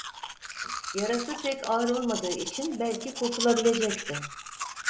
Yarası pek ağır olmadığı için belki kurtulabilecekti.